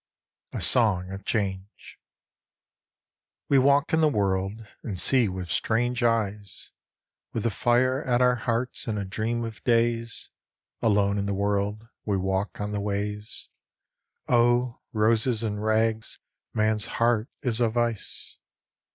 60 A Song of Change WE walk in the world, and see with strange eyes, With the fire at our hearts, and a dream of days ; Alone in the world, we walk on the ways (Oh, roses and rags, man's heart is of ice